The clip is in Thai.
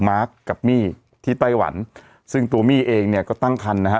มาร์คกับมี่ที่ไต้หวันซึ่งตัวมี่เองเนี่ยก็ตั้งคันนะฮะ